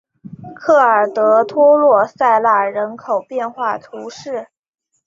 科尔德托洛萨纳人口变化图示